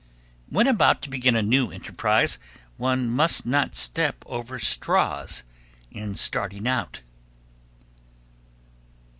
When about to begin a new enterprise, one must not step over straws in starting out.